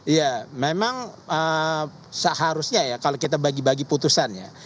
ya memang seharusnya ya kalau kita bagi bagi putusannya